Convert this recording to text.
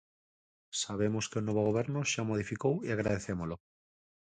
Sabemos que o novo Goberno xa o modificou e agradecémolo.